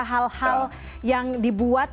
hal hal yang dibuat